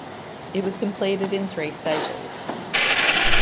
It was completed in three stages.